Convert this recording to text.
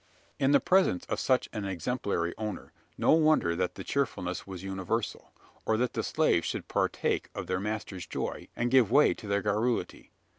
In the presence of such an exemplary owner, no wonder that the cheerfulness was universal or that the slaves should partake of their master's joy, and give way to their garrulity.